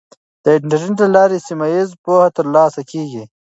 د انټرنیټ له لارې سیمه ییزه پوهه ترلاسه کیږي.